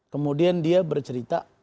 kemudian dia bercerita